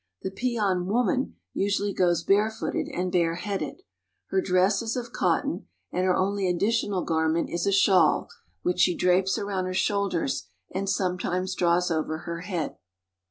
The peon woman usually goes barefooted and bareheaded. Her dress is of cotton, and her only additional garment is a shawl, which she drapes around her shoulders and some times draws over her head.